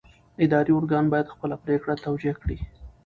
اداري ارګان باید خپله پرېکړه توجیه کړي.